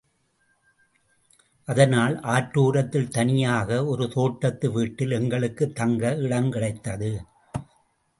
அதனால் ஆற்றோரத்திலே தனியாக ஒரு தோட்டத்து வீட்டில் எங்களுக்குத் தங்க இடம் கிடைத்தது.